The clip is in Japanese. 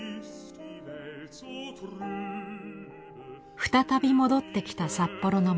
再び戻ってきた札幌の街。